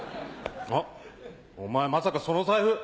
あっお前まさかその財布。